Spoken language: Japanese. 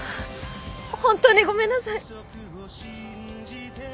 本当にごめんなさい！